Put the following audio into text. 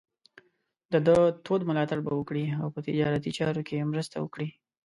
د ده تود ملاتړ به وکړي او په تجارتي چارو کې مرسته وکړي.